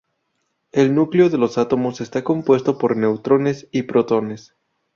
El núcleo de los átomos está compuesto por neutrones y protones.